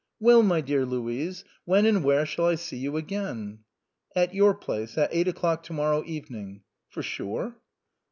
" Well, my dear Louise, when and where shall I see you again ?" "At your place at eight o'clock to morrow evening." " For sure